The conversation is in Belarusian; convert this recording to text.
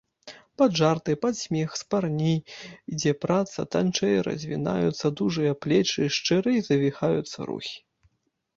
Пад жарты, пад смех спарней ідзе праца, танчэй развінаюцца дужыя плечы, шчырэй завіхаюцца рукі.